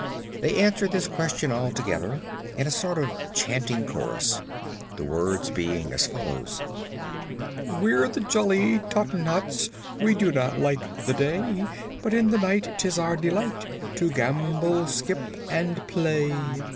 They answered this question all together, in a sort of chanting chorus, the words being as follows: "We're the jolly Tottenhots; We do not like the day, But in the night 'tis our delight To gambol, skip and play.